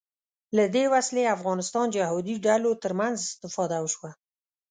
له دې وسلې افغانستان جهادي ډلو تر منځ استفاده وشوه